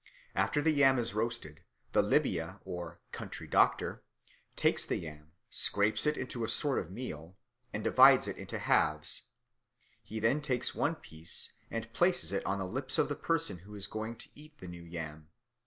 After the yam is roasted, the Libia, or country doctor, takes the yam, scrapes it into a sort of meal, and divides it into halves; he then takes one piece, and places it on the lips of the person who is going to eat the new yam.